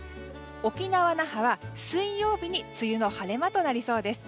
沖縄・那覇は水曜日に梅雨の晴れ間となりそうです。